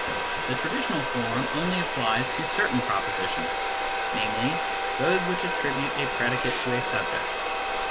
The traditional form only applies to certain propositions, namely, to those which attribute a predicate to a subject.